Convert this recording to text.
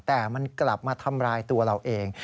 แต่มันกลับมาทำร้ายตัวเราเอง